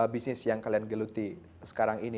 bisnis yang kalian geluti sekarang ini